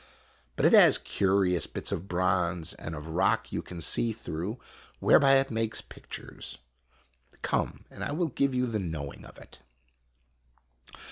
But it has curious bits of bronze and of rock you can see through, whereby it makes pictures. Come, and I will give you the knowing of it."